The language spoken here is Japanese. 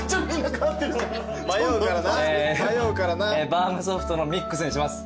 バウムソフトのミックスにします